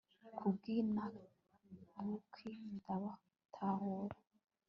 bukwi na bukwi ndatahura